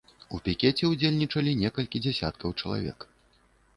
У пікеце ўдзельнічалі некалькі дзясяткаў чалавек.